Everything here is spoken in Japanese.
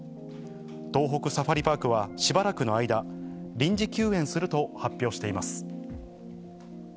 東北サファリパークは、しばらくの間、臨時休園すると発表しています。